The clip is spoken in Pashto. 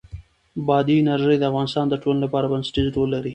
بادي انرژي د افغانستان د ټولنې لپاره بنسټيز رول لري.